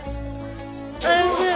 おいしい。